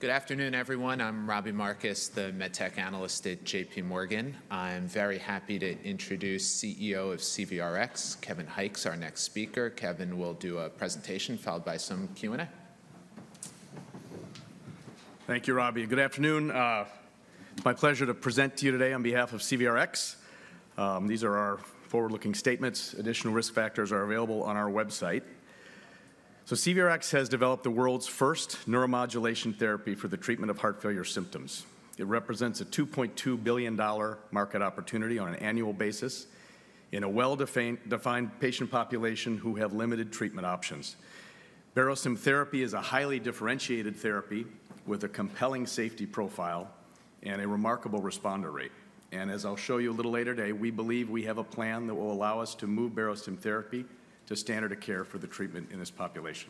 Good afternoon, everyone. I'm Robbie Marcus, the MedTech analyst at JPMorgan. I'm very happy to introduce CEO of CVRx, Kevin Hykes, our next speaker. Kevin will do a presentation followed by some Q&A. Thank you, Robbie. Good afternoon. It's my pleasure to present to you today on behalf of CVRx. These are our forward-looking statements. Additional risk factors are available on our website. So CVRx has developed the world's first neuromodulation therapy for the treatment of heart failure symptoms. It represents a $2.2 billion market opportunity on an annual basis in a well-defined patient population who have limited treatment options. Barostim therapy is a highly differentiated therapy with a compelling safety profile and a remarkable responder rate. And as I'll show you a little later today, we believe we have a plan that will allow us to move Barostim therapy to standard of care for the treatment in this population.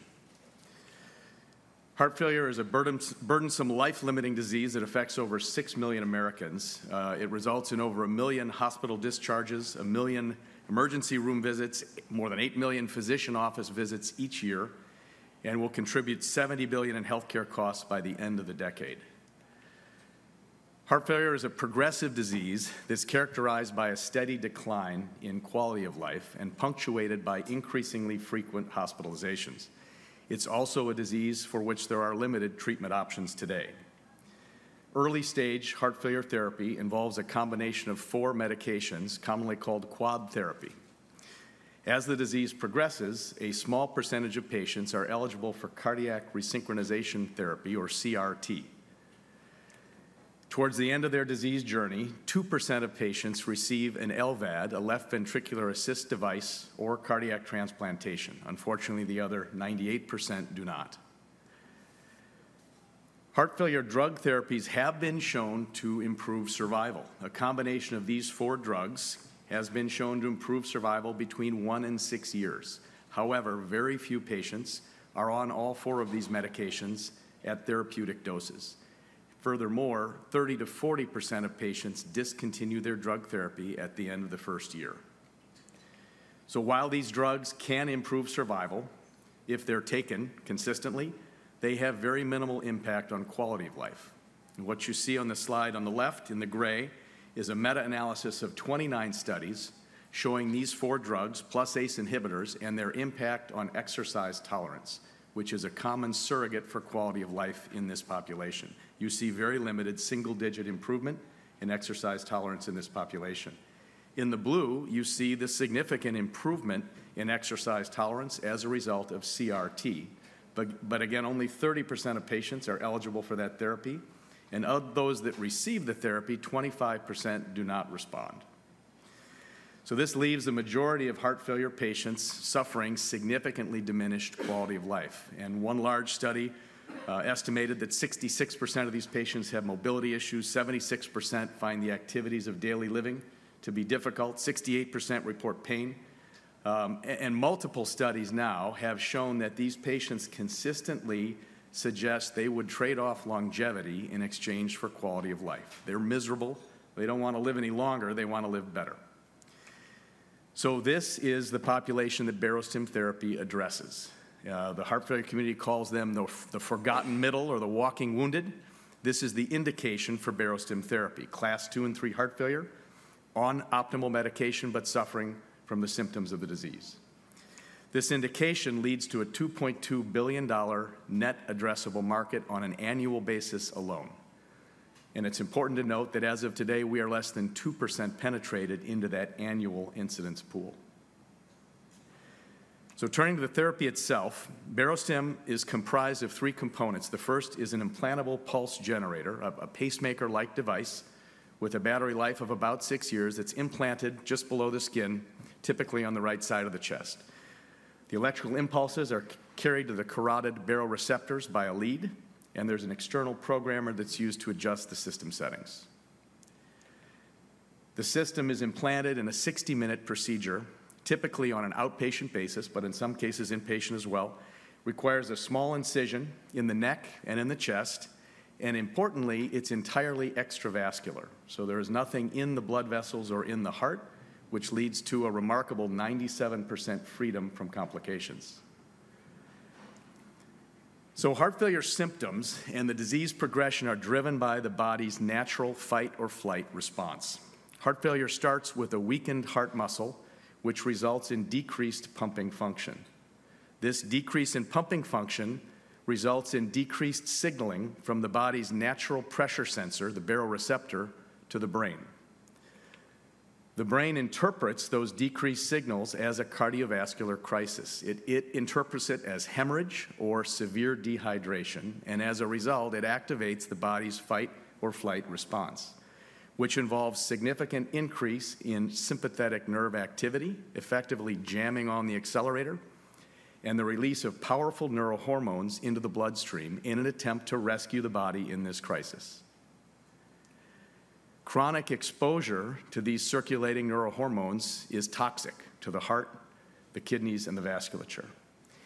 Heart failure is a burdensome, life-limiting disease that affects over 6 million Americans. It results in over a million hospital discharges, a million emergency room visits, more than eight million physician office visits each year, and will contribute $70 billion in health care costs by the end of the decade. Heart failure is a progressive disease that's characterized by a steady decline in quality of life and punctuated by increasingly frequent hospitalizations. It's also a disease for which there are limited treatment options today. Early-stage heart failure therapy involves a combination of four medications, commonly called quad therapy. As the disease progresses, a small percentage of patients are eligible for cardiac resynchronization therapy, or CRT. Towards the end of their disease journey, 2% of patients receive an LVAD, a left ventricular assist device, or cardiac transplantation. Unfortunately, the other 98% do not. Heart failure drug therapies have been shown to improve survival. A combination of these four drugs has been shown to improve survival between one and six years. However, very few patients are on all four of these medications at therapeutic doses. Furthermore, 30%-40% of patients discontinue their drug therapy at the end of the first year. While these drugs can improve survival, if they're taken consistently, they have very minimal impact on quality of life. What you see on the slide on the left in the gray is a meta-analysis of 29 studies showing these four drugs, plus ACE inhibitors, and their impact on exercise tolerance, which is a common surrogate for quality of life in this population. You see very limited single-digit improvement in exercise tolerance in this population. In the blue, you see the significant improvement in exercise tolerance as a result of CRT. But again, only 30% of patients are eligible for that therapy. And of those that receive the therapy, 25% do not respond. So this leaves the majority of heart failure patients suffering significantly diminished quality of life. And one large study estimated that 66% of these patients have mobility issues. 76% find the activities of daily living to be difficult. 68% report pain. And multiple studies now have shown that these patients consistently suggest they would trade off longevity in exchange for quality of life. They're miserable. They don't want to live any longer. They want to live better. So this is the population that Barostim therapy addresses. The heart failure community calls them the forgotten middle or the walking wounded. This is the indication for Barostim therapy, Class II and III heart failure on optimal medication, but suffering from the symptoms of the disease. This indication leads to a $2.2 billion net addressable market on an annual basis alone. And it's important to note that as of today, we are less than 2% penetrated into that annual incidence pool. So turning to the therapy itself, Barostim is comprised of three components. The first is an implantable pulse generator, a pacemaker-like device with a battery life of about six years that's implanted just below the skin, typically on the right side of the chest. The electrical impulses are carried to the carotid baroreceptors by a lead, and there's an external programmer that's used to adjust the system settings. The system is implanted in a 60-minute procedure, typically on an outpatient basis, but in some cases inpatient as well. It requires a small incision in the neck and in the chest. And importantly, it's entirely extravascular. There is nothing in the blood vessels or in the heart, which leads to a remarkable 97% freedom from complications. Heart failure symptoms and the disease progression are driven by the body's natural fight or flight response. Heart failure starts with a weakened heart muscle, which results in decreased pumping function. This decrease in pumping function results in decreased signaling from the body's natural pressure sensor, the baroreceptor, to the brain. The brain interprets those decreased signals as a cardiovascular crisis. It interprets it as hemorrhage or severe dehydration. And as a result, it activates the body's fight or flight response, which involves a significant increase in sympathetic nerve activity, effectively jamming on the accelerator and the release of powerful neurohormones into the bloodstream in an attempt to rescue the body in this crisis. Chronic exposure to these circulating neurohormones is toxic to the heart, the kidneys, and the vasculature.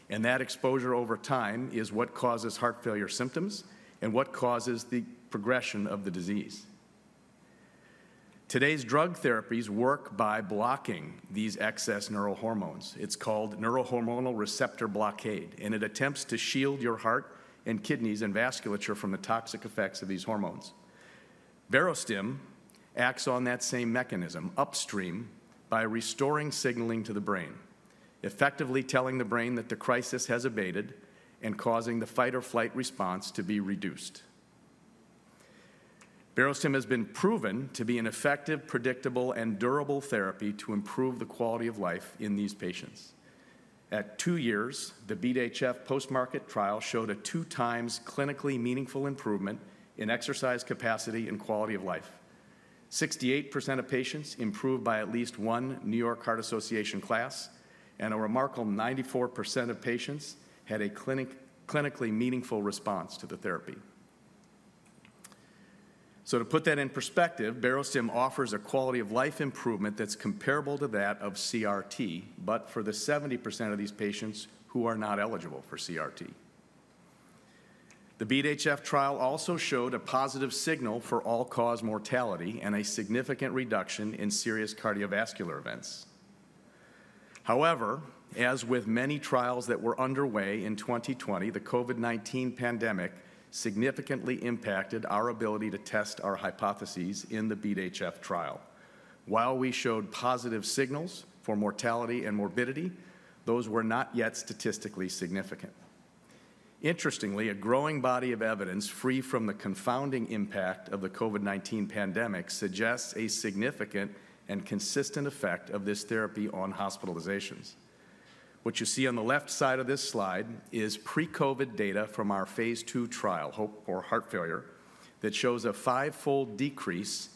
And that exposure over time is what causes heart failure symptoms and what causes the progression of the disease. Today's drug therapies work by blocking these excess neurohormones. It's called neurohormonal receptor blockade, and it attempts to shield your heart and kidneys and vasculature from the toxic effects of these hormones. Barostim acts on that same mechanism upstream by restoring signaling to the brain, effectively telling the brain that the crisis has abated and causing the fight or flight response to be reduced. Barostim has been proven to be an effective, predictable, and durable therapy to improve the quality of life in these patients. At two years, the BeAT-HF post-market trial showed a two-times clinically meaningful improvement in exercise capacity and quality of life. 68% of patients improved by at least one New York Heart Association class, and a remarkable 94% of patients had a clinically meaningful response to the therapy. So to put that in perspective, Barostim offers a quality of life improvement that's comparable to that of CRT, but for the 70% of these patients who are not eligible for CRT. The BeAT-HF trial also showed a positive signal for all-cause mortality and a significant reduction in serious cardiovascular events. However, as with many trials that were underway in 2020, the COVID-19 pandemic significantly impacted our ability to test our hypotheses in the BeAT-HF trial. While we showed positive signals for mortality and morbidity, those were not yet statistically significant. Interestingly, a growing body of evidence free from the confounding impact of the COVID-19 pandemic suggests a significant and consistent effect of this therapy on hospitalizations. What you see on the left side of this slide is pre-COVID data from our phase II trial, HOPE4HF, that shows a five-fold decrease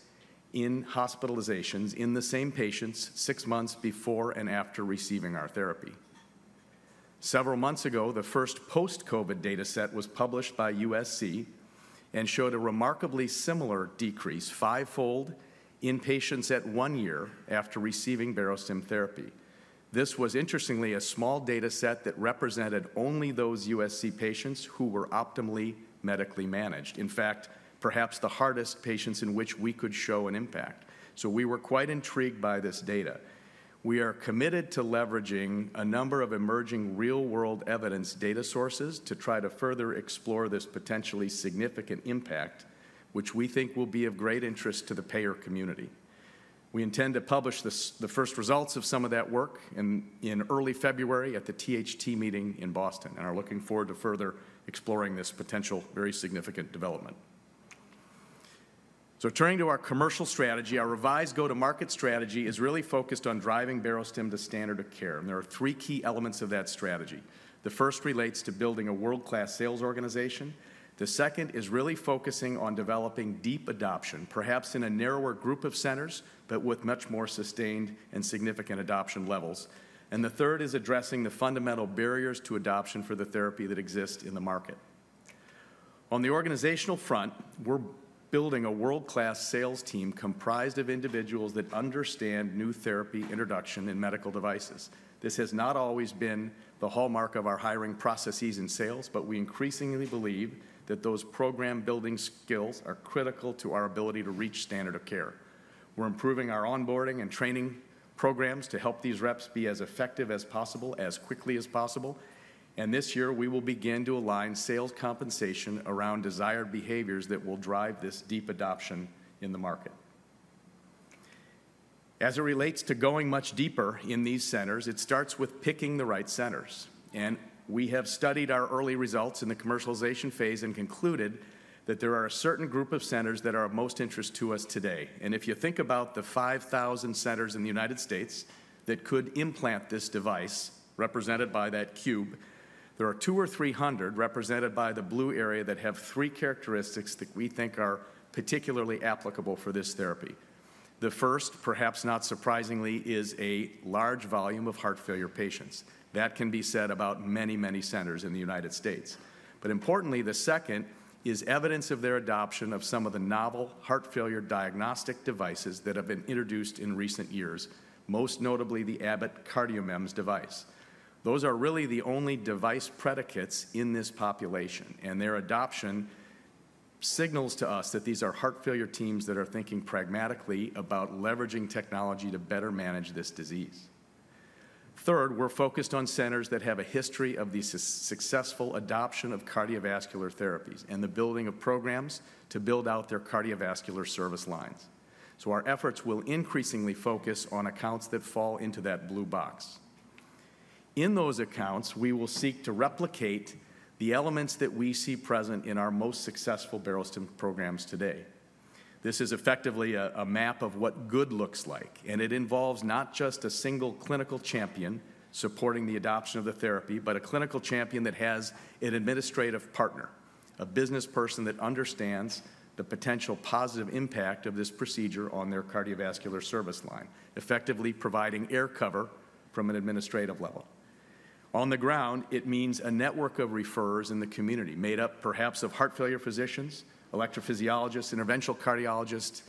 in hospitalizations in the same patients six months before and after receiving our therapy. Several months ago, the first post-COVID data set was published by USC and showed a remarkably similar decrease, five-fold, in patients at one year after receiving Barostim therapy. This was, interestingly, a small data set that represented only those USC patients who were optimally medically managed. In fact, perhaps the hardest patients in which we could show an impact. So we were quite intrigued by this data. We are committed to leveraging a number of emerging real-world evidence data sources to try to further explore this potentially significant impact, which we think will be of great interest to the payer community. We intend to publish the first results of some of that work in early February at the THT meeting in Boston and are looking forward to further exploring this potential very significant development. So turning to our commercial strategy, our revised go-to-market strategy is really focused on driving Barostim to standard of care. And there are three key elements of that strategy. The first relates to building a world-class sales organization. The second is really focusing on developing deep adoption, perhaps in a narrower group of centers, but with much more sustained and significant adoption levels. And the third is addressing the fundamental barriers to adoption for the therapy that exists in the market. On the organizational front, we're building a world-class sales team comprised of individuals that understand new therapy introduction and medical devices. This has not always been the hallmark of our hiring processes in sales, but we increasingly believe that those program-building skills are critical to our ability to reach standard of care. We're improving our onboarding and training programs to help these reps be as effective as possible, as quickly as possible. And this year, we will begin to align sales compensation around desired behaviors that will drive this deep adoption in the market. As it relates to going much deeper in these centers, it starts with picking the right centers. And we have studied our early results in the commercialization phase and concluded that there are a certain group of centers that are of most interest to us today. And if you think about the 5,000 centers in the United States that could implant this device represented by that cube, there are two or three hundred represented by the blue area that have three characteristics that we think are particularly applicable for this therapy. The first, perhaps not surprisingly, is a large volume of heart failure patients. That can be said about many, many centers in the United States. But importantly, the second is evidence of their adoption of some of the novel heart failure diagnostic devices that have been introduced in recent years, most notably the Abbott CardioMEMS device. Those are really the only device predicates in this population. And their adoption signals to us that these are heart failure teams that are thinking pragmatically about leveraging technology to better manage this disease. Third, we're focused on centers that have a history of the successful adoption of cardiovascular therapies and the building of programs to build out their cardiovascular service lines. So our efforts will increasingly focus on accounts that fall into that blue box. In those accounts, we will seek to replicate the elements that we see present in our most successful Barostim programs today. This is effectively a map of what good looks like, and it involves not just a single clinical champion supporting the adoption of the therapy, but a clinical champion that has an administrative partner, a business person that understands the potential positive impact of this procedure on their cardiovascular service line, effectively providing air cover from an administrative level. On the ground, it means a network of referrers in the community made up perhaps of heart failure physicians, electrophysiologists, interventional cardiologists,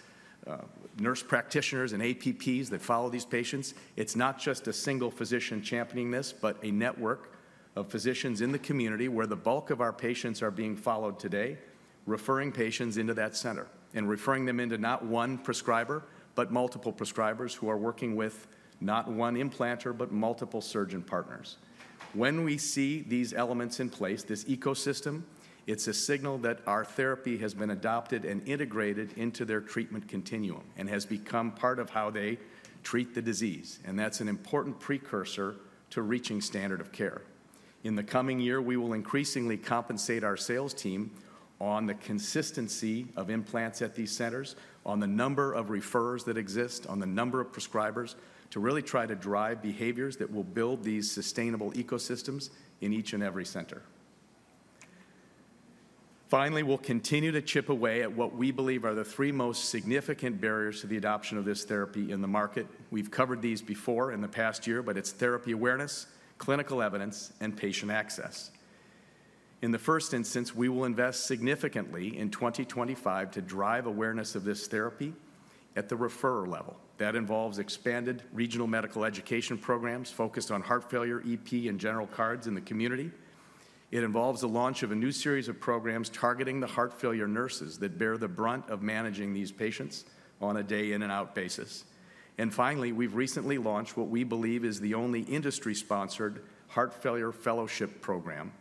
nurse practitioners, and APPs that follow these patients. It's not just a single physician championing this, but a network of physicians in the community where the bulk of our patients are being followed today, referring patients into that center and referring them into not one prescriber, but multiple prescribers who are working with not one implanter, but multiple surgeon partners. When we see these elements in place, this ecosystem, it's a signal that our therapy has been adopted and integrated into their treatment continuum and has become part of how they treat the disease, and that's an important precursor to reaching standard of care. In the coming year, we will increasingly compensate our sales team on the consistency of implants at these centers, on the number of referrers that exist, on the number of prescribers to really try to drive behaviors that will build these sustainable ecosystems in each and every center. Finally, we'll continue to chip away at what we believe are the three most significant barriers to the adoption of this therapy in the market. We've covered these before in the past year, but it's therapy awareness, clinical evidence, and patient access. In the first instance, we will invest significantly in 2025 to drive awareness of this therapy at the referrer level. That involves expanded regional medical education programs focused on heart failure, EP, and general cards in the community. It involves the launch of a new series of programs targeting the heart failure nurses that bear the brunt of managing these patients on a day-in and out basis. And finally, we've recently launched what we believe is the only industry-sponsored heart failure fellowship program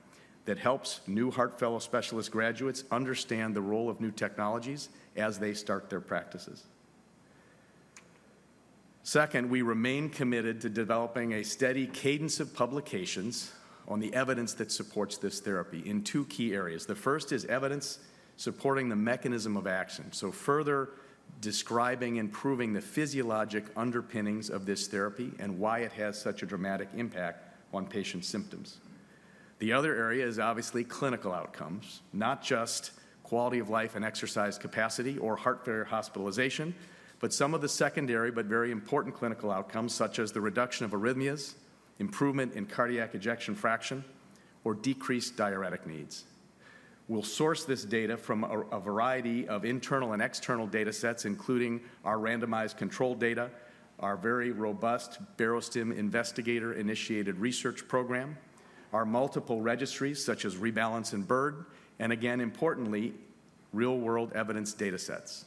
that helps new heart failure specialist graduates understand the role of new technologies as they start their practices. Second, we remain committed to developing a steady cadence of publications on the evidence that supports this therapy in two key areas. The first is evidence supporting the mechanism of action, so further describing and proving the physiologic underpinnings of this therapy and why it has such a dramatic impact on patient symptoms. The other area is obviously clinical outcomes, not just quality of life and exercise capacity or heart failure hospitalization, but some of the secondary, but very important clinical outcomes, such as the reduction of arrhythmias, improvement in cardiac ejection fraction, or decreased diuretic needs. We'll source this data from a variety of internal and external data sets, including our randomized control data, our very robust Barostim Investigator-Initiated Research Program, our multiple registries, such as REBALANCE and BiRD, and again, importantly, real-world evidence data sets.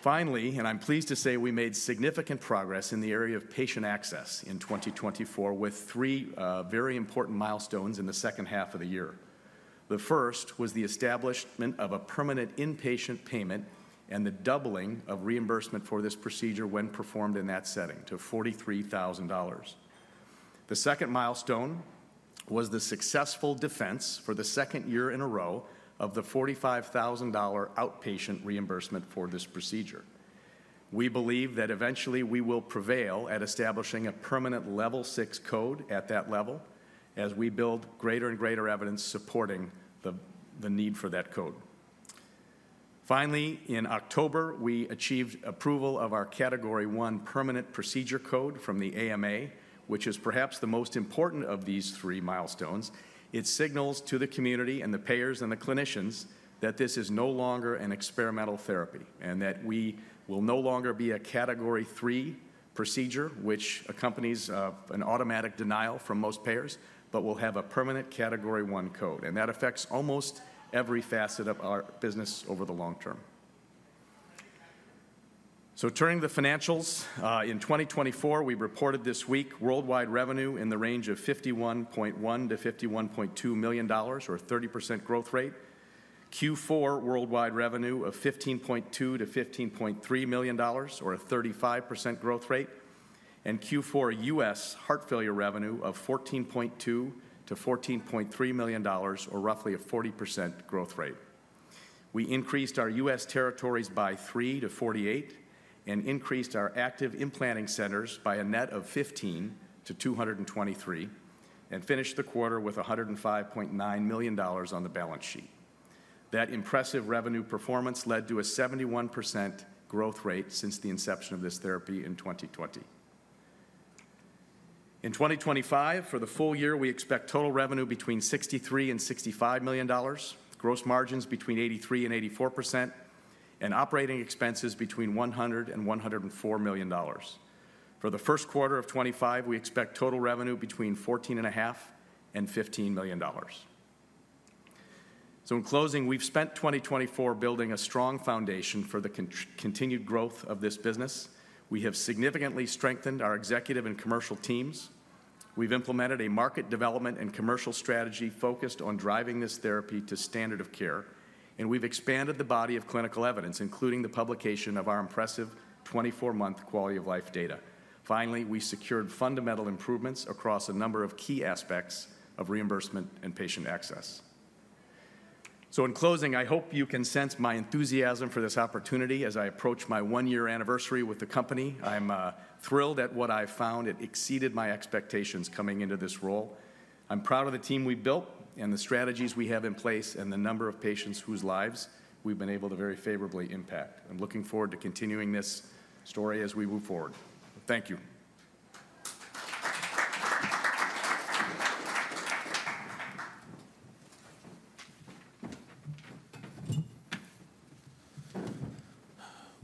Finally, and I'm pleased to say we made significant progress in the area of patient access in 2024 with three very important milestones in the second half of the year. The first was the establishment of a permanent inpatient payment and the doubling of reimbursement for this procedure when performed in that setting to $43,000. The second milestone was the successful defense for the second year in a row of the $45,000 outpatient reimbursement for this procedure. We believe that eventually we will prevail at establishing a permanent Level 6 code at that level as we build greater and greater evidence supporting the need for that code. Finally, in October, we achieved approval of our Category I Permanent Procedure Code from the AMA, which is perhaps the most important of these three milestones. It signals to the community and the payers and the clinicians that this is no longer an experimental therapy and that we will no longer be a Category III procedure, which accompanies an automatic denial from most payers, but will have a permanent Category I code. And that affects almost every facet of our business over the long term. Turning to the financials, in 2024, we reported this week worldwide revenue in the range of $51.1 million-$51.2 million, or a 30% growth rate. Q4 worldwide revenue of $15.2 million-$15.3 million, or a 35% growth rate, and Q4 U.S. heart failure revenue of $14.2 million-$14.3 million, or roughly a 40% growth rate. We increased our U.S. territories by 3-48 and increased our active implanting centers by a net of 15-223 and finished the quarter with $105.9 million on the balance sheet. That impressive revenue performance led to a 71% growth rate since the inception of this therapy in 2020. In 2025, for the full year, we expect total revenue between $63 and $65 million, gross margins between 83% and 84%, and operating expenses between $100 and $104 million. For the first quarter of 2025, we expect total revenue between $14.5 and $15 million. So in closing, we've spent 2024 building a strong foundation for the continued growth of this business. We have significantly strengthened our executive and commercial teams. We've implemented a market development and commercial strategy focused on driving this therapy to standard of care. And we've expanded the body of clinical evidence, including the publication of our impressive 24-month quality of life data. Finally, we secured fundamental improvements across a number of key aspects of reimbursement and patient access. So in closing, I hope you can sense my enthusiasm for this opportunity as I approach my one-year anniversary with the company. I'm thrilled at what I found. It exceeded my expectations coming into this role. I'm proud of the team we built and the strategies we have in place and the number of patients whose lives we've been able to very favorably impact. I'm looking forward to continuing this story as we move forward. Thank you.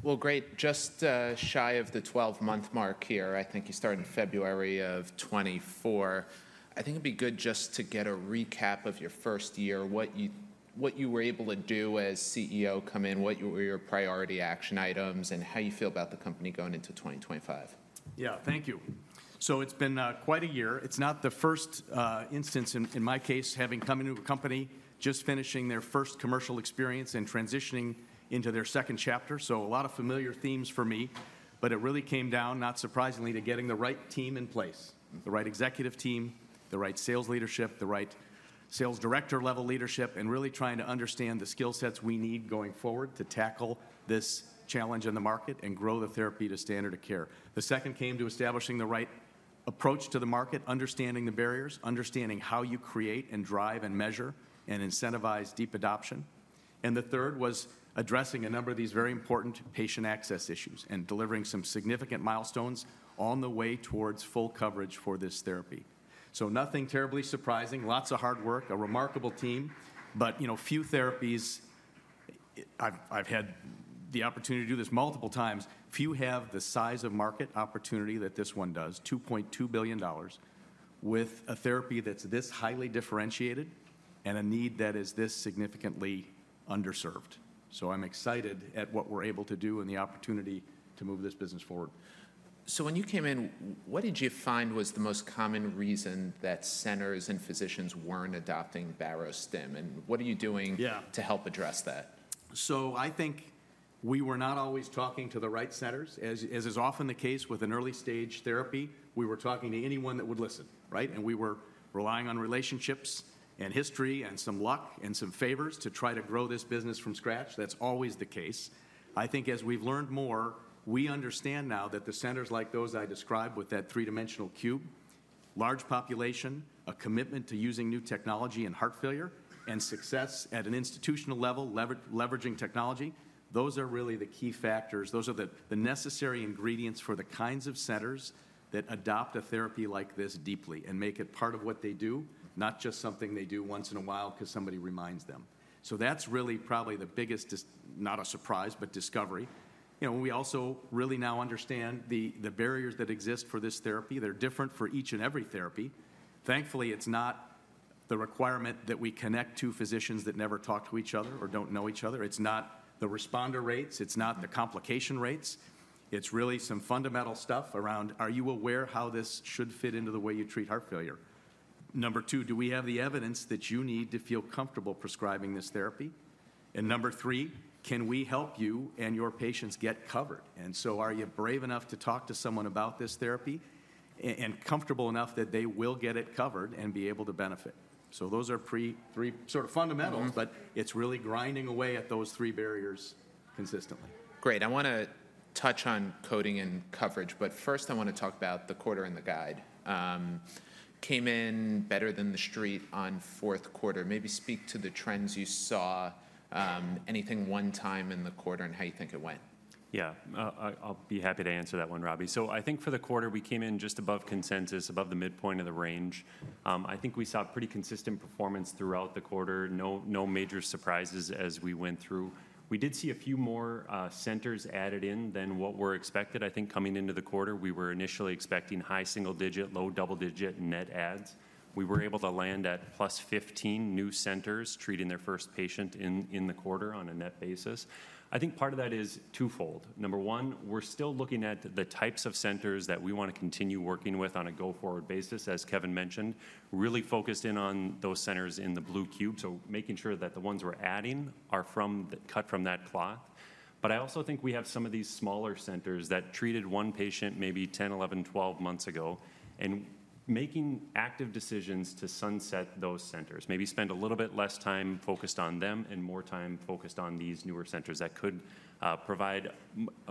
Well, great. Just shy of the 12-month mark here. I think you started in February of 2024. I think it'd be good just to get a recap of your first year, what you were able to do as CEO, come in, what were your priority action items, and how you feel about the company going into 2025. Yeah, thank you. So it's been quite a year. It's not the first instance in my case having come into a company just finishing their first commercial experience and transitioning into their second chapter. So a lot of familiar themes for me, but it really came down, not surprisingly, to getting the right team in place, the right executive team, the right sales leadership, the right sales director-level leadership, and really trying to understand the skill sets we need going forward to tackle this challenge in the market and grow the therapy to standard of care. The second came to establishing the right approach to the market, understanding the barriers, understanding how you create and drive and measure and incentivize deep adoption. And the third was addressing a number of these very important patient access issues and delivering some significant milestones on the way towards full coverage for this therapy. So, nothing terribly surprising, lots of hard work, a remarkable team, but few therapies I've had the opportunity to do this multiple times, few have the size of market opportunity that this one does, $2.2 billion, with a therapy that's this highly differentiated and a need that is this significantly underserved. So, I'm excited at what we're able to do and the opportunity to move this business forward. So, when you came in, what did you find was the most common reason that centers and physicians weren't adopting Barostim? And what are you doing to help address that? So, I think we were not always talking to the right centers. As is often the case with an early-stage therapy, we were talking to anyone that would listen, right? And we were relying on relationships and history and some luck and some favors to try to grow this business from scratch. That's always the case. I think as we've learned more, we understand now that the centers like those I described with that three-dimensional cube, large population, a commitment to using new technology in heart failure, and success at an institutional level, leveraging technology, those are really the key factors. Those are the necessary ingredients for the kinds of centers that adopt a therapy like this deeply and make it part of what they do, not just something they do once in a while because somebody reminds them. So that's really probably the biggest, not a surprise, but discovery. We also really now understand the barriers that exist for this therapy. They're different for each and every therapy. Thankfully, it's not the requirement that we connect two physicians that never talk to each other or don't know each other. It's not the responder rates. It's not the complication rates. It's really some fundamental stuff around, are you aware how this should fit into the way you treat heart failure? Number two, do we have the evidence that you need to feel comfortable prescribing this therapy? And number three, can we help you and your patients get covered? And so are you brave enough to talk to someone about this therapy and comfortable enough that they will get it covered and be able to benefit? So those are three sort of fundamentals, but it's really grinding away at those three barriers consistently. Great. I want to touch on coding and coverage, but first I want to talk about the quarter and the guide. Came in better than the street on fourth quarter. Maybe speak to the trends you saw, anything one-time in the quarter and how you think it went. Yeah, I'll be happy to answer that one, Robbie. So I think for the quarter, we came in just above consensus, above the midpoint of the range. I think we saw pretty consistent performance throughout the quarter. No major surprises as we went through. We did see a few more centers added in than what were expected. I think coming into the quarter, we were initially expecting high single-digit, low double-digit net adds. We were able to land at +15 new centers treating their first patient in the quarter on a net basis. I think part of that is twofold. Number one, we're still looking at the types of centers that we want to continue working with on a go-forward basis, as Kevin mentioned, really focused in on those centers in the blue cube. So making sure that the ones we're adding are cut from that cloth. But I also think we have some of these smaller centers that treated one patient maybe 10, 11, 12 months ago and making active decisions to sunset those centers, maybe spend a little bit less time focused on them and more time focused on these newer centers that could provide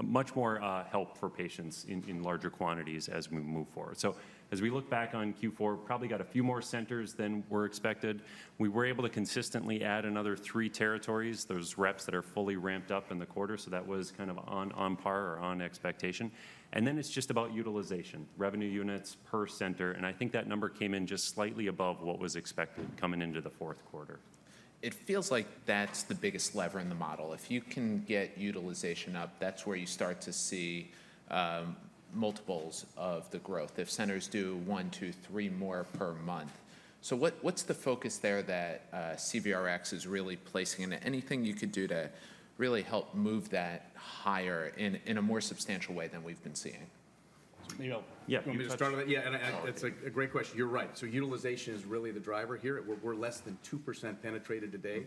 much more help for patients in larger quantities as we move forward. So as we look back on Q4, probably got a few more centers than were expected. We were able to consistently add another three territories. There's reps that are fully ramped up in the quarter, so that was kind of on par or on expectation. And then it's just about utilization, revenue units per center. And I think that number came in just slightly above what was expected coming into the fourth quarter. It feels like that's the biggest lever in the model. If you can get utilization up, that's where you start to see multiples of the growth if centers do one, two, three more per month. So what's the focus there that CVRx is really placing in it? Anything you could do to really help move that higher in a more substantial way than we've been seeing? Yeah, let me start with that. Yeah, and it's a great question. You're right. So utilization is really the driver here. We're less than 2% penetrated today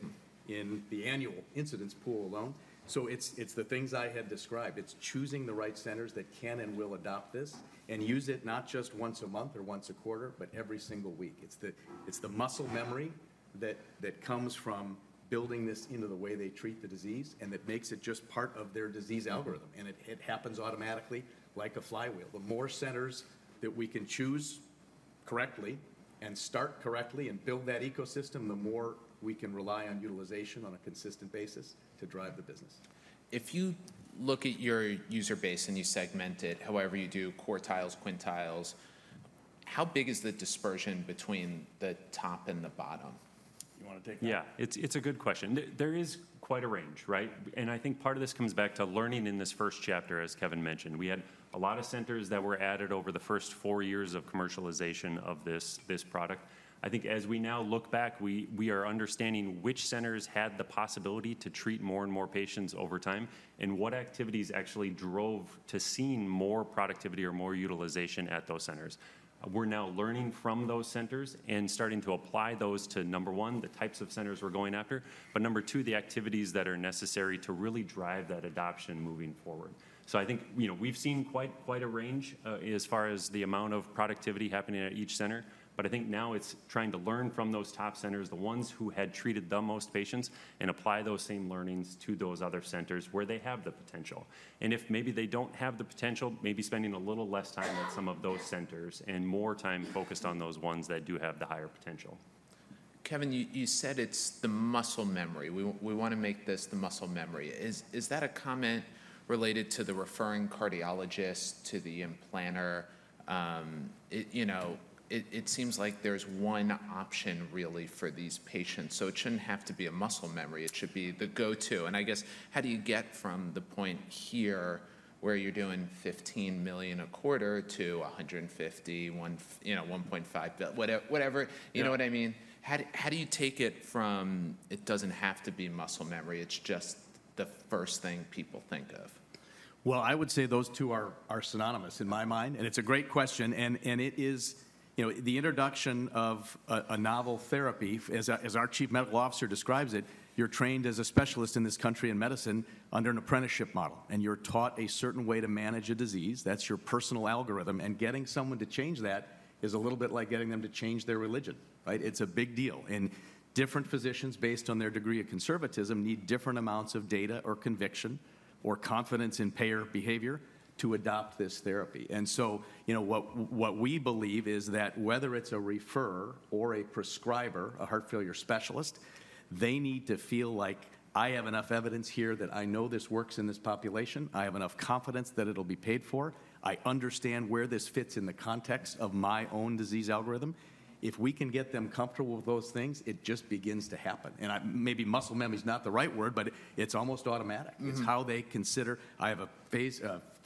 in the annual incidence pool alone. So it's the things I had described. It's choosing the right centers that can and will adopt this and use it not just once a month or once a quarter, but every single week. It's the muscle memory that comes from building this into the way they treat the disease and that makes it just part of their disease algorithm. And it happens automatically like a flywheel. The more centers that we can choose correctly and start correctly and build that ecosystem, the more we can rely on utilization on a consistent basis to drive the business. If you look at your user base and you segment it, however you do, quartiles, quintiles, how big is the dispersion between the top and the bottom? You want to take that? Yeah, it's a good question. There is quite a range, right? And I think part of this comes back to learning in this first chapter, as Kevin mentioned. We had a lot of centers that were added over the first four years of commercialization of this product. I think as we now look back, we are understanding which centers had the possibility to treat more and more patients over time and what activities actually drove to seeing more productivity or more utilization at those centers. We're now learning from those centers and starting to apply those to, number one, the types of centers we're going after, but number two, the activities that are necessary to really drive that adoption moving forward. So, I think we've seen quite a range as far as the amount of productivity happening at each center, but I think now it's trying to learn from those top centers, the ones who had treated the most patients, and apply those same learnings to those other centers where they have the potential. And if maybe they don't have the potential, maybe spending a little less time at some of those centers and more time focused on those ones that do have the higher potential. Kevin, you said it's the muscle memory. We want to make this the muscle memory. Is that a comment related to the referring cardiologist, to the implantor? It seems like there's one option really for these patients. So it shouldn't have to be a muscle memory. It should be the go-to. I guess, how do you get from the point here where you're doing $15 million a quarter to $150 million, $1.5 billion, whatever, you know what I mean? How do you take it from it doesn't have to be muscle memory. It's just the first thing people think of. I would say those two are synonymous in my mind. It's a great question. It is the introduction of a novel therapy. As our Chief Medical Officer describes it, you're trained as a specialist in this country in medicine under an apprenticeship model. You're taught a certain way to manage a disease. That's your personal algorithm. Getting someone to change that is a little bit like getting them to change their religion, right? It's a big deal. And different physicians, based on their degree of conservatism, need different amounts of data or conviction or confidence in payer behavior to adopt this therapy. And so what we believe is that whether it's a referrer or a prescriber, a heart failure specialist, they need to feel like, "I have enough evidence here that I know this works in this population. I have enough confidence that it'll be paid for. I understand where this fits in the context of my own disease algorithm." If we can get them comfortable with those things, it just begins to happen. And maybe muscle memory is not the right word, but it's almost automatic. It's how they consider, "I have a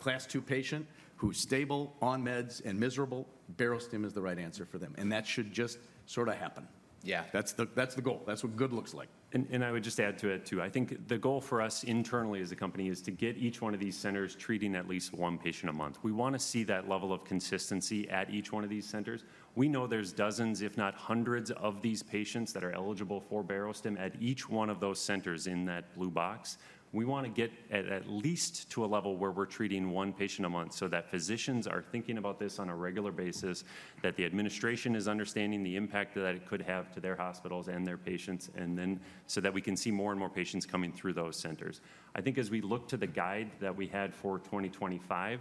class two patient who's stable, on meds, and miserable. Barostim is the right answer for them." And that should just sort of happen. Yeah, that's the goal. That's what good looks like. I would just add to it too. I think the goal for us internally as a company is to get each one of these centers treating at least one patient a month. We want to see that level of consistency at each one of these centers. We know there's dozens, if not hundreds, of these patients that are eligible for Barostim at each one of those centers in that blue box. We want to get at least to a level where we're treating one patient a month so that physicians are thinking about this on a regular basis, that the administration is understanding the impact that it could have to their hospitals and their patients, and then so that we can see more and more patients coming through those centers. I think as we look to the guide that we had for 2025,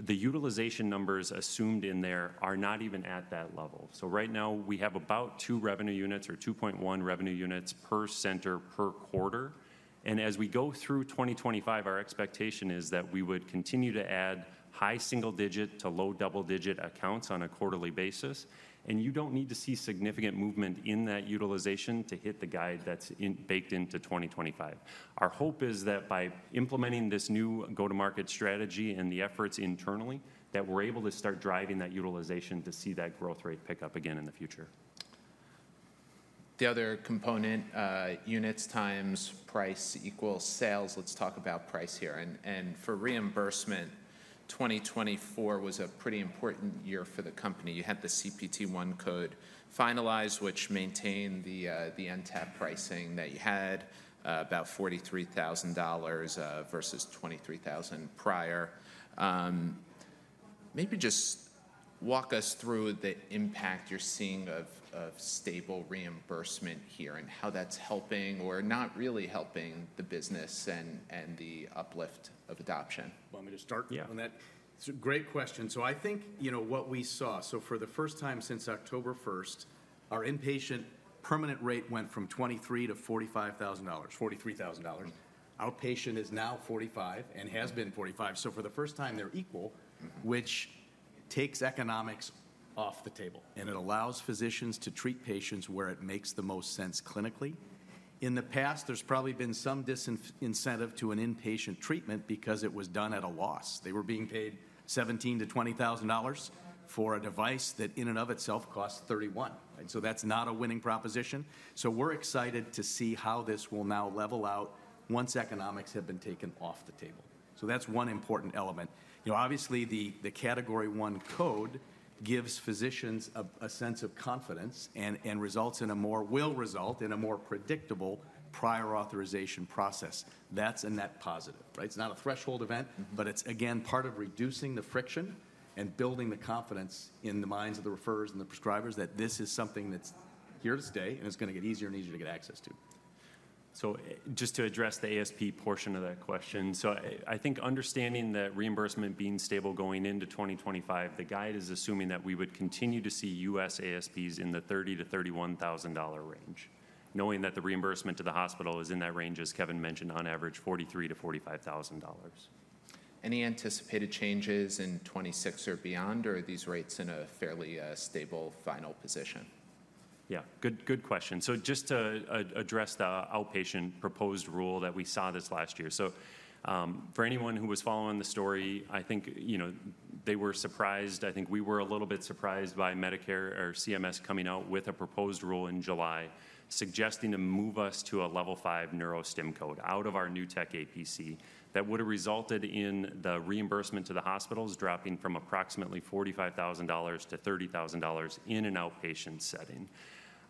the utilization numbers assumed in there are not even at that level. So right now, we have about two revenue units or 2.1 revenue units per center per quarter. And as we go through 2025, our expectation is that we would continue to add high single-digit to low double-digit accounts on a quarterly basis. And you don't need to see significant movement in that utilization to hit the guide that's baked into 2025. Our hope is that by implementing this new go-to-market strategy and the efforts internally, that we're able to start driving that utilization to see that growth rate pick up again in the future. The other component, units times price equals sales. Let's talk about price here. And for reimbursement, 2024 was a pretty important year for the company. You had the Category I CPT code finalized, which maintained the NTAP pricing that you had, about $43,000 versus $23,000 prior. Maybe just walk us through the impact you're seeing of stable reimbursement here and how that's helping or not really helping the business and the uplift of adoption. Want me to start on that? Yeah. It's a great question, so I think what we saw, so for the first time since October 1st, our inpatient permanent rate went from $23,000-$45,000, $43,000. Outpatient is now $45,000 and has been $45,000. So for the first time, they're equal, which takes economics off the table, and it allows physicians to treat patients where it makes the most sense clinically. In the past, there's probably been some disincentive to an inpatient treatment because it was done at a loss. They were being paid $17,000-$20,000 for a device that in and of itself costs $31,000. And so that's not a winning proposition. So we're excited to see how this will now level out once economics have been taken off the table. So that's one important element. Obviously, the Category I code gives physicians a sense of confidence and will result in a more predictable prior authorization process. That's a net positive, right? It's not a threshold event, but it's, again, part of reducing the friction and building the confidence in the minds of the referrers and the prescribers that this is something that's here to stay and it's going to get easier and easier to get access to. So just to address the ASP portion of that question, so I think understanding that reimbursement being stable going into 2025, the guide is assuming that we would continue to see U.S. ASPs in the $30,000-$31,000 range, knowing that the reimbursement to the hospital is in that range, as Kevin mentioned, on average $43,000-$45,000. Any anticipated changes in 2026 or beyond, or are these rates in a fairly stable final position? Yeah, good question. So just to address the outpatient proposed rule that we saw this last year. So for anyone who was following the story, I think they were surprised. I think we were a little bit surprised by Medicare or CMS coming out with a proposed rule in July suggesting to move us to a Level 5 neurostim code out of our New Tech APC that would have resulted in the reimbursement to the hospitals dropping from approximately $45,000-$30,000 in an outpatient setting.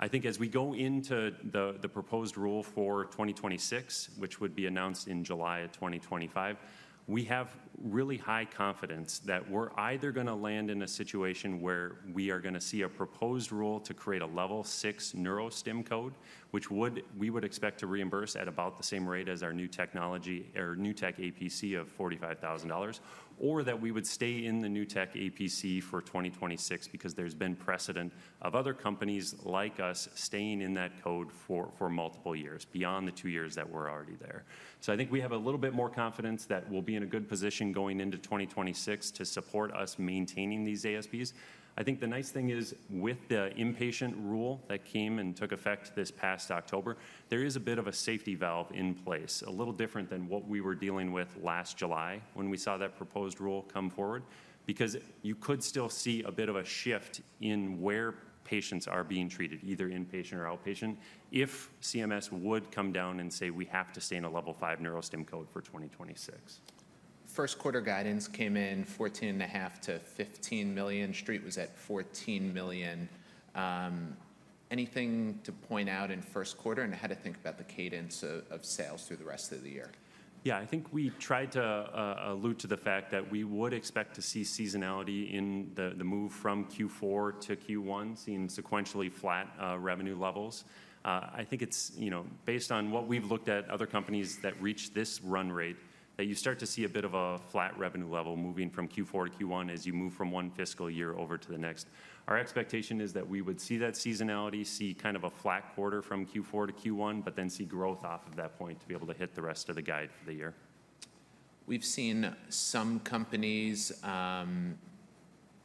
I think as we go into the proposed rule for 2026, which would be announced in July of 2025, we have really high confidence that we're either going to land in a situation where we are going to see a proposed rule to create a Level 6 neurostim code, which we would expect to reimburse at about the same rate as our new technology or new tech APC of $45,000, or that we would stay in the New Tech APC for 2026 because there's been precedent of other companies like us staying in that code for multiple years beyond the two years that we're already there. So I think we have a little bit more confidence that we'll be in a good position going into 2026 to support us maintaining these ASPs. I think the nice thing is with the inpatient rule that came and took effect this past October, there is a bit of a safety valve in place, a little different than what we were dealing with last July when we saw that proposed rule come forward, because you could still see a bit of a shift in where patients are being treated, either inpatient or outpatient, if CMS would come down and say, "We have to stay in a Level 5 neurostim code for 2026." First quarter guidance came in $14,500,000-$15,000,000. Street was at $14,000,000. Anything to point out in first quarter? And I had to think about the cadence of sales through the rest of the year. Yeah, I think we tried to allude to the fact that we would expect to see seasonality in the move from Q4-Q1, seeing sequentially flat revenue levels. I think it's based on what we've looked at other companies that reached this run rate, that you start to see a bit of a flat revenue level moving from Q4-Q1 as you move from one fiscal year over to the next. Our expectation is that we would see that seasonality, see kind of a flat quarter from Q4-Q1, but then see growth off of that point to be able to hit the rest of the guide for the year. We've seen some companies,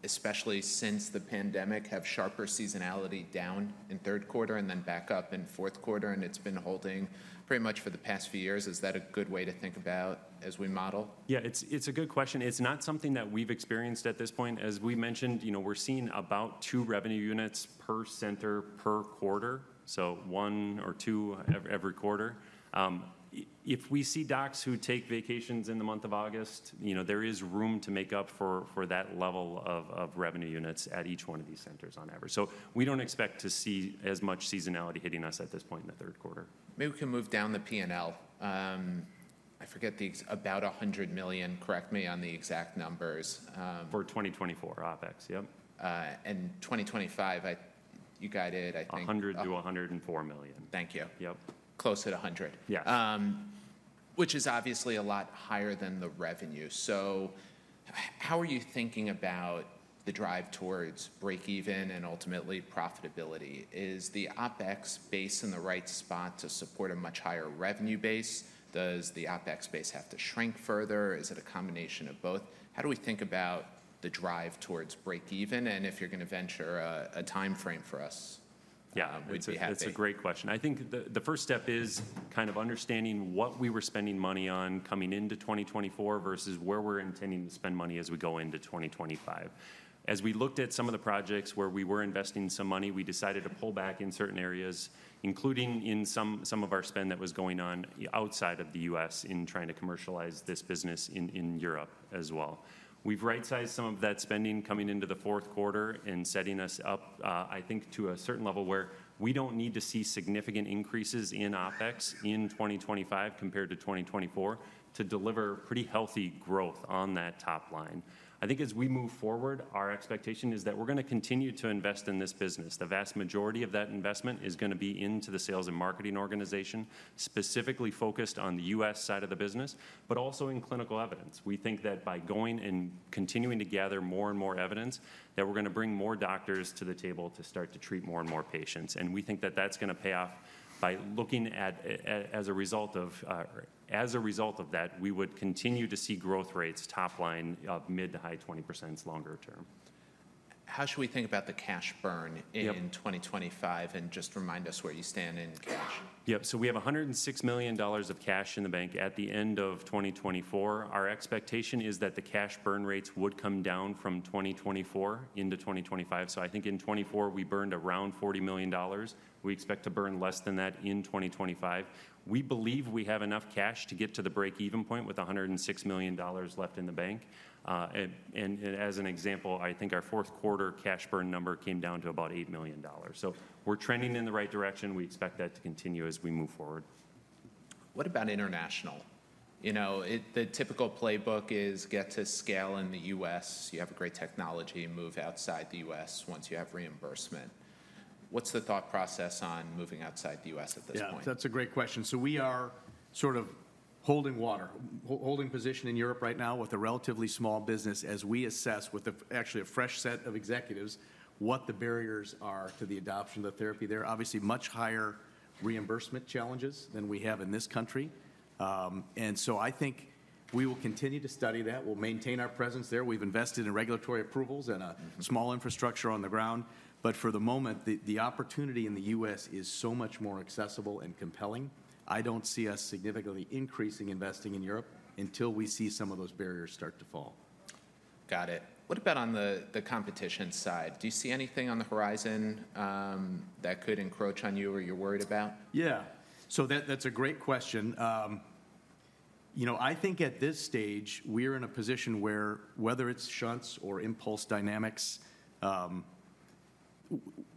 especially since the pandemic, have sharper seasonality down in third quarter and then back up in fourth quarter, and it's been holding pretty much for the past few years. Is that a good way to think about as we model? Yeah, it's a good question. It's not something that we've experienced at this point. As we mentioned, we're seeing about two revenue units per center per quarter, so one or two every quarter. If we see docs who take vacations in the month of August, there is room to make up for that level of revenue units at each one of these centers on average. So we don't expect to see as much seasonality hitting us at this point in the third quarter. Maybe we can move down the P&L. I forget, about $100 million. Correct me on the exact numbers. For 2024, OpEx, yep. And 2025, you guided, I think. $100 million-$104 million. Thank you. Yep. Close at $100. Yeah. Which is obviously a lot higher than the revenue. So how are you thinking about the drive towards breakeven and ultimately profitability? Is the OpEx base in the right spot to support a much higher revenue base? Does the OpEx base have to shrink further? Is it a combination of both? How do we think about the drive towards breakeven? And if you're going to venture a timeframe for us, we'd be happy. Yeah, it's a great question. I think the first step is kind of understanding what we were spending money on coming into 2024 versus where we're intending to spend money as we go into 2025. As we looked at some of the projects where we were investing some money, we decided to pull back in certain areas, including in some of our spend that was going on outside of the U.S. in trying to commercialize this business in Europe as well. We've right-sized some of that spending coming into the fourth quarter and setting us up, I think, to a certain level where we don't need to see significant increases in OpEx in 2025 compared to 2024 to deliver pretty healthy growth on that top line. I think as we move forward, our expectation is that we're going to continue to invest in this business. The vast majority of that investment is going to be into the sales and marketing organization, specifically focused on the U.S. side of the business, but also in clinical evidence. We think that by going and continuing to gather more and more evidence, that we're going to bring more doctors to the table to start to treat more and more patients. We think that that's going to pay off by looking at as a result of that, we would continue to see growth rates top line of mid- to high-20% longer term. How should we think about the cash burn in 2025 and just remind us where you stand in cash? Yep. So we have $106 million of cash in the bank at the end of 2024. Our expectation is that the cash burn rates would come down from 2024 into 2025. So I think in 2024, we burned around $40 million. We expect to burn less than that in 2025. We believe we have enough cash to get to the breakeven point with $106 million left in the bank. And as an example, I think our fourth quarter cash burn number came down to about $8 million. So we're trending in the right direction. We expect that to continue as we move forward. What about international? The typical playbook is get to scale in the U.S. You have a great technology. Move outside the U.S. once you have reimbursement. What's the thought process on moving outside the U.S. at this point? Yeah, that's a great question. So we are sort of treading water, holding position in Europe right now with a relatively small business as we assess with actually a fresh set of executives what the barriers are to the adoption of the therapy there. Obviously, much higher reimbursement challenges than we have in this country. And so I think we will continue to study that. We'll maintain our presence there. We've invested in regulatory approvals and a small infrastructure on the ground. But for the moment, the opportunity in the U.S. is so much more accessible and compelling. I don't see us significantly increasing investing in Europe until we see some of those barriers start to fall. Got it. What about on the competition side? Do you see anything on the horizon that could encroach on you or you're worried about? Yeah. So that's a great question. I think at this stage, we are in a position where whether it's shunts or Impulse Dynamics,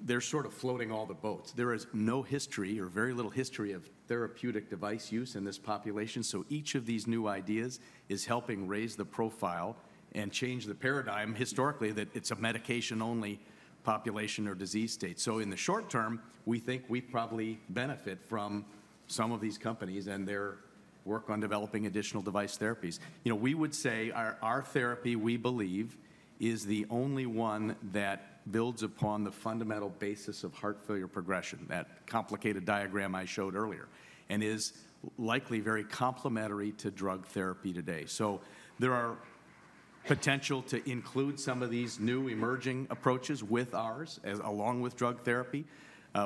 they're sort of floating all the boats. There is no history or very little history of therapeutic device use in this population. So each of these new ideas is helping raise the profile and change the paradigm historically that it's a medication-only population or disease state. So in the short term, we think we probably benefit from some of these companies and their work on developing additional device therapies. We would say our therapy, we believe, is the only one that builds upon the fundamental basis of heart failure progression, that complicated diagram I showed earlier, and is likely very complementary to drug therapy today. So there are potential to include some of these new emerging approaches with ours along with drug therapy.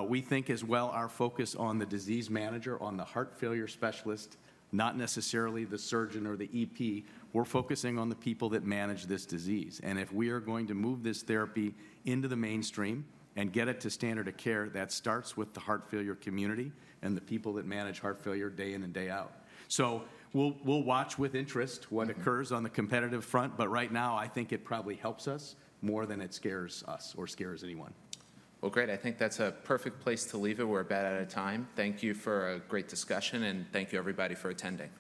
We think as well, our focus on the disease manager, on the heart failure specialist, not necessarily the surgeon or the EP, we're focusing on the people that manage this disease. And if we are going to move this therapy into the mainstream and get it to standard of care, that starts with the heart failure community and the people that manage heart failure day in and day out. So we'll watch with interest what occurs on the competitive front, but right now, I think it probably helps us more than it scares us or scares anyone. Well, great. I think that's a perfect place to leave it. We're about out of time. Thank you for a great discussion, and thank you everybody for attending.